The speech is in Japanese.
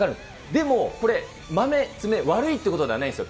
でもこれ、マメ、爪、悪いっていうことじゃないんですよ。